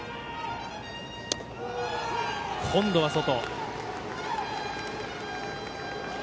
今度は外。